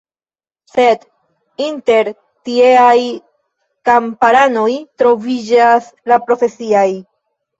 Sed, inter tieaj kamparanoj troviĝas la profesiaj.